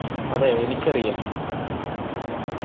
അതെ എനിക്കറിയാം